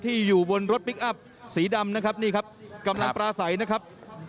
อยู่บนรถพลิกอัพสีดำนะครับนี่ครับกำลังปลาใสนะครับ